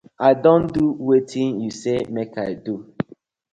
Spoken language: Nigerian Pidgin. I don do wetin yu say mak I do.